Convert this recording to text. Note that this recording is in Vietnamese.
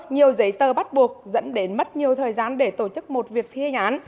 nhiều giấy tờ bắt buộc dẫn đến mất nhiều thời gian để tổ chức một việc thi hành án